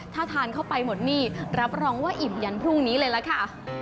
ถ้าทานเข้าไปหมดหนี้รับรองว่าอิ่มยันพรุ่งนี้เลยล่ะค่ะ